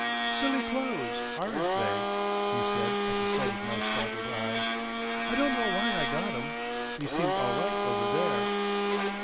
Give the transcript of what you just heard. "Silly clothes, aren't they?" he said at the sight of my startled eye. "I don't know why I got'm. They seemed all right over there."